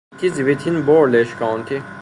It is within Burleigh County.